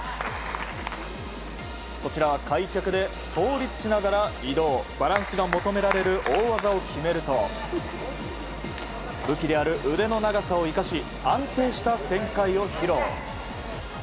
こちらは開脚で倒立しながら移動バランスが求められる大技を決めると武器である腕の長さを生かし安定した旋回を披露。